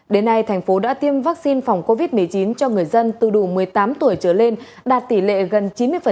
đến nay thành phố đã tiêm vaccine phòng covid một mươi chín cho người dân từ đủ một mươi tám tuổi trở lên đạt tỷ lệ gần chín mươi